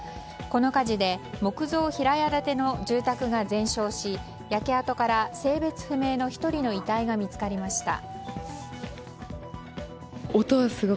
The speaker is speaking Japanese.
この火事で木造平屋建ての住宅が全焼し焼け跡から性別不明の１人の遺体が見つかりました。